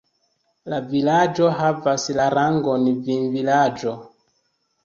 La vilaĝo havas la rangon vinvilaĝo.